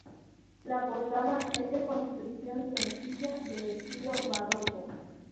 La portada es de construcción sencilla, de estilo barroco.